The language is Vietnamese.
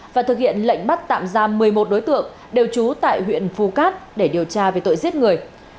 và thực hiện lệnh bắt tạm giam một mươi một đối tượng đều trú tại huyện phu cát để điều tra về tội giết người